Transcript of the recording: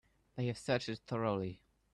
They have searched it thoroughly.